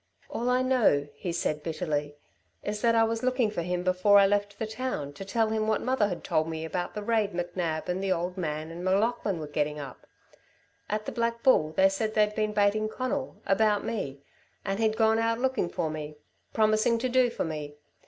"All I know," he said bitterly, "is that I was looking for him before I left the town to tell him what mother had told me about the raid McNab and the old man and M'Laughlin were getting up. At the Black Bull they said they'd been baiting Conal about me and he'd gone out looking for me promising to do for me.